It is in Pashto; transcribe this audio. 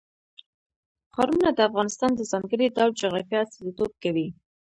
ښارونه د افغانستان د ځانګړي ډول جغرافیه استازیتوب کوي.